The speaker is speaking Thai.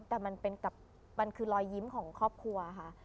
แต่มันคือรอยยิ้มของครอบครัวค่ะ